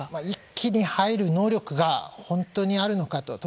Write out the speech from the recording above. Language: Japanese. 一気に入る能力が本当にあるのかと。